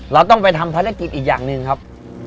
เราต้องไปทำภารกิจอีกอย่างหนึ่งครับ